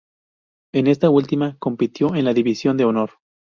En esta última compitió en la División de Honor.